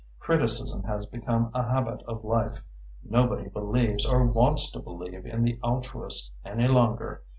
Criticism has become a habit of life. Nobody believes or wants to believe in the altruist any longer.